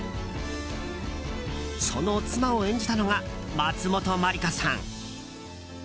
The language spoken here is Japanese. その妻を演じたのが松本まりかさん。